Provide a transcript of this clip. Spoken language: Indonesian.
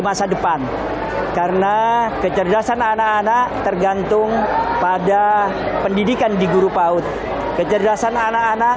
masa depan karena kecerdasan anak anak tergantung pada pendidikan di guru paut kecerdasan anak anak